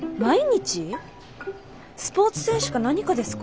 スポーツ選手か何かですか？